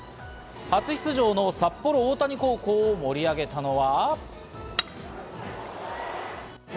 初出場の札幌大谷高校を盛り上げたのは。